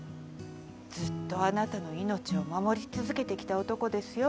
ずっとあなたの命を守り続けてきた男ですよ。